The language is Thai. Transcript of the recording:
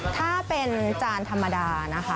ถ้าเป็นจานธรรมดานะคะ